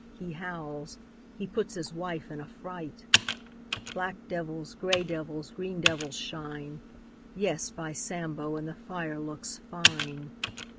He howls. He puts his wife in a fright. Black devils, grey devils, green devils shine — Yes, by Sambo, And the fire looks fine!